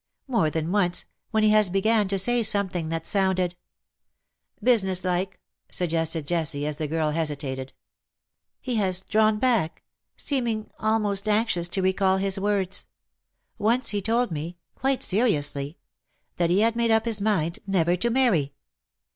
More than once, when he has began to say something that sounded '^ ^^Business like, " suggested Jessie, as the girl hesitated. " He has drawn back — seeming almost anxious to recall his words. Once lie told me — quite seriously — that he had made up his mind never to marry.